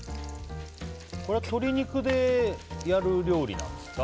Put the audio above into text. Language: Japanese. これは鶏肉でやる料理なんですか？